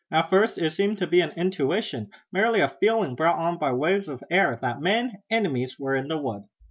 At first it seemed to be an intuition, merely a feeling brought on waves of air that men, enemies, were in the wood.